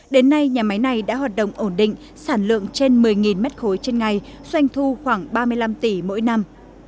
đến nay nhà máy này đã hoạt động ổn định sản lượng trên một mươi m ba trên ngày doanh thu khoảng ba mươi năm tỷ mỗi năm